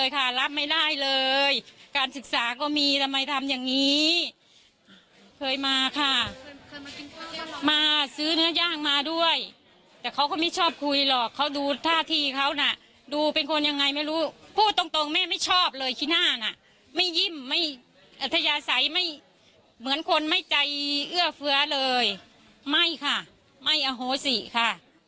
พูดตรงแม่ไม่ชอบเลยคิดหน้านะไม่ยิ้มไม่อัธยาศัยเหมือนคนไม่ใจเอื้อเฟื้อเลยไม่ค่ะไม่อโหสิค่ะ